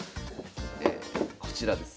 こちらです。